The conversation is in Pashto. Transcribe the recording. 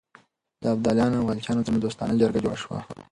د ابدالیانو او غلجیانو ترمنځ دوستانه جرګه جوړه شوه.